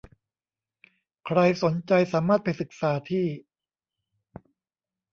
ใครสนใจสามารถไปศึกษาที่